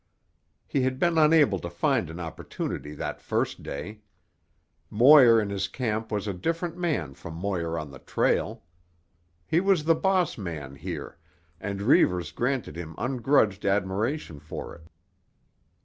He had been unable to find an opportunity that first day. Moir in his camp was a different man from Moir on the trail. He was the boss man here, and Reivers granted him ungrudged admiration for it.